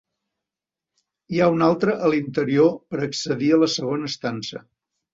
Hi ha un altre a l'interior per accedir a la segona estança.